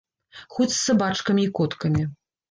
Хоць з сабачкамі і коткамі.